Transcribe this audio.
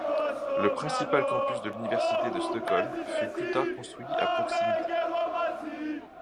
Le principal campus de l'université de Stockholm fut plus tard construit à proximité.